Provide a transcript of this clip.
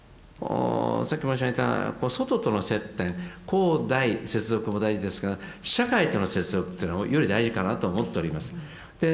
さっき申し上げた外との接点高大接続も大事ですが社会との接続というのもより大事かなと思っております。